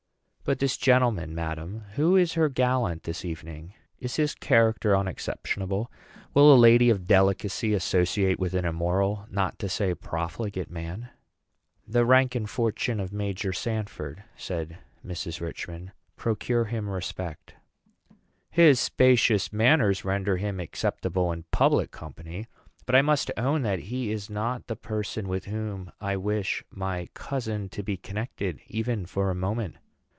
"But this gentleman, madam, who is her gallant this evening, is his character unexceptionable? Will a lady of delicacy associate with an immoral, not to say profligate, man?" "The rank and fortune of Major Sanford," said Mrs. Richman, "procure him respect; his specious manners render him acceptable in public company; but I must own that he is not the person with whom I wish my cousin to be connected even for a moment.